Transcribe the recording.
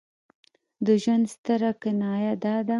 د ژوند ستره کنایه دا ده.